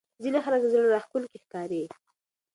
ځینې خلک زړه راښکونکي ښکاري.